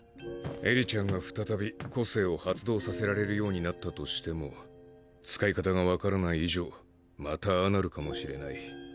エリちゃんが再び個性を発動させられるようになったとしても使い方がわからない以上またああなるかもしれない。